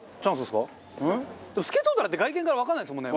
でもスケソウダラって外見からわかんないですもんね。